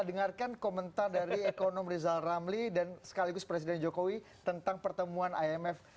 dengarkan komentar dari ekonom rizal ramli dan sekaligus presiden jokowi tentang pertemuan imf